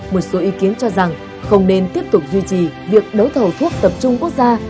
một số ý kiến cho rằng không nên tiếp tục duy trì việc đấu thầu thuốc tập trung quốc gia